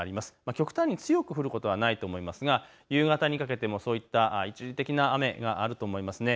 極端に強く降ることはないと思いますが夕方にかけてもそういった一時的な雨があると思います。